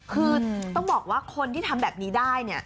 คือต้องบอกว่าคนที่ทำแบบนี้ได้เนี่ย